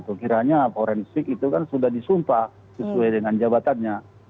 sekiranya forensik itu kan sudah disumpah sesuai dengan jabatannya